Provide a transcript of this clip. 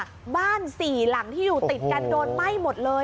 บ้านสี่หลังที่อยู่ติดกันโดนไหม้หมดเลย